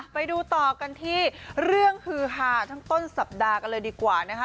ไปดูต่อกันที่เรื่องฮือหาทั้งต้นสัปดาห์กันเลยดีกว่านะคะ